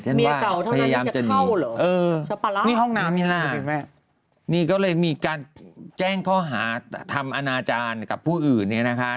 เพยันว่าพยายามจะดีเออมีห้องน้ำอย่างนั้นค่ะนี่ก็เลยมีการแจ้งข้อหาธรรมอาณาจารย์กับผู้อื่นเนี่ยนะคะ